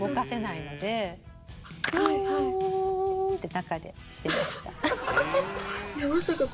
「んん」って中でしてました。